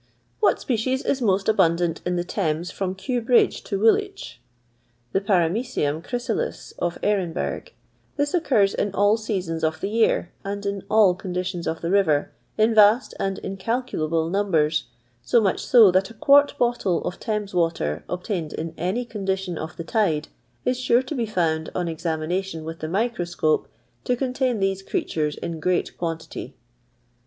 What species is most abundant in the Thames firom Kew Bridge to Woolwich 1" " The Par<k mecium ChrytalU of Bhrenberg; this occurs in all seasons of the year, and in all conditions of the river, in vast and incalcuUtble numbers ; so much so, that a quart bottle of Thames water, ob tained in any condition of the tide, is sure to be found, on examination with the microscope, to contain these creatures in great quantity."